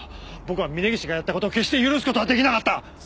僕は峰岸がやった事を決して許す事は出来なかった！